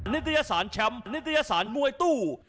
นิตยสารแชมป์นิตยสารมวยตู้